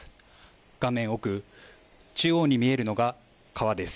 画面奥、中央に見えるのが川です。